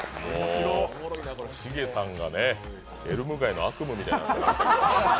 チゲさんが「エルム街の悪夢」みたいになってる。